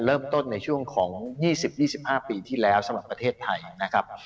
เริ่มต้นในช่วงของ๒๐๒๕ปีที่แล้วสำหรับประเทศไทยนะครับ